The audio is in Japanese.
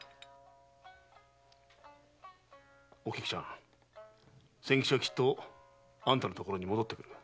おきくちゃん千吉はきっとあんたのところに戻ってくるよ。